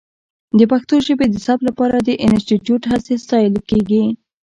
د پښتو ژبې د ثبت لپاره د انسټیټوت هڅې ستایلې کېږي.